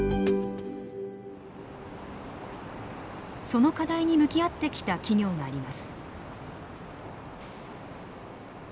その課題に向き合ってきた企業があります。